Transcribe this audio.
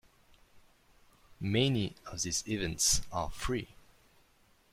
Many of these events are free.